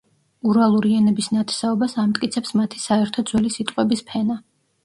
ურალური ენების ნათესაობას ამტკიცებს მათი საერთო ძველი სიტყვების ფენა.